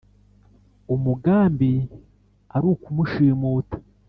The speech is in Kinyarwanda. umugambi arukumushimuta.